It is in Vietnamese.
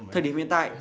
thời điểm hiện tại